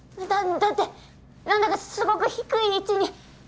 だだって何だかすごく低い位置に。